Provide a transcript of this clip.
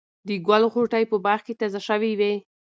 د ګل غوټۍ په باغ کې تازه شوې وې.